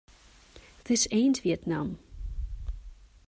This ain't Vietnam.